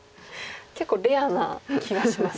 結構レアな気がします。